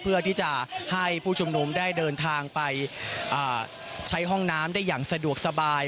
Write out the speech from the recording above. เพื่อที่จะให้ผู้ชุมนุมได้เดินทางไปใช้ห้องน้ำได้อย่างสะดวกสบาย